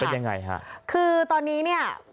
เป็นยังไงฮะคือตอนนี้เนี่ย